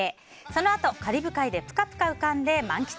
そのあとカリブ海でぷかぷか浮かんで満喫。